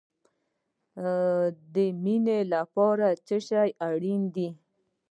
د مینې لپاره څه شی اړین دی؟